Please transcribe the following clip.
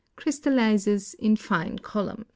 Crystallizes in fine columns.